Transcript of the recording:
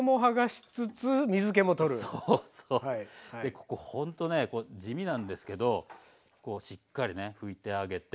ここほんとね地味なんですけどこうしっかり拭いてあげて。